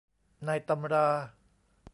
ในตำรา